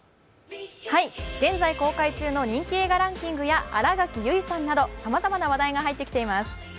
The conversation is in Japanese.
現在公開中の人気映画ランキングや新垣結衣さんなど、さまざまな話題が入ってきています。